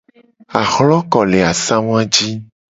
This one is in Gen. Ahloko le asangu a ji.